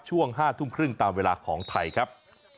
ช่วง๕ทุ่มครึ่งตามเวลาของไทยครับ